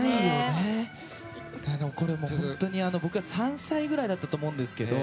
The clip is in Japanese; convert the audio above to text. これ、本当に僕が３歳ぐらいだったと思うんですけど。